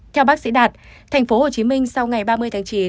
theo bác sĩ đạt tp hcm sau ngày ba mươi tháng chín